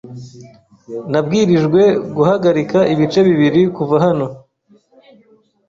Nabwirijwe guhagarika ibice bibiri kuva hano .